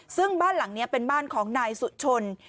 ซึ่งบ้านหลังนี้เป็นบ้านของนายสุชน